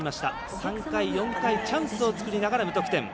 ３回、４回チャンスを作りながら無得点。